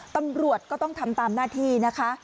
ตำรวจก็ต้องทำตามหน้าที่นะคะ